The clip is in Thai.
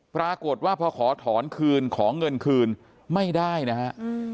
ปรากฏว่าพอขอถอนคืนขอเงินคืนไม่ได้นะฮะ